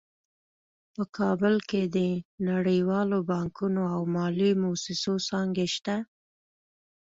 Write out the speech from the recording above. په کابل کې د نړیوالو بانکونو او مالي مؤسسو څانګې شته